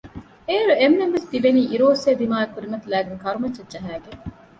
އޭރު އެންމެންވެސް ތިބޭނީ އިރުއޮއްސޭ ދިމާއަށް ކުރިމަތިލައިގެން ކަރުމައްޗަށް ޖަހައިގެން